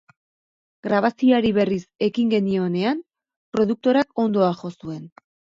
Grabazioari berriz ekin genionean produktorak hondoa jo zuen.